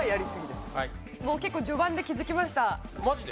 もう結構序盤で気づきましたマジで？